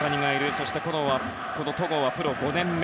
そして戸郷はプロ５年目。